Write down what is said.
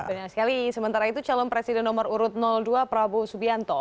benar sekali sementara itu calon presiden nomor urut dua prabowo subianto